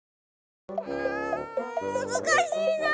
うんむずかしいなあ。